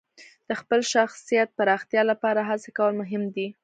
د خپل شخصیت پراختیا لپاره هڅې کول مهم دي.